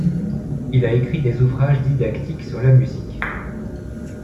Il a écrit des ouvrages didactiques sur la musique.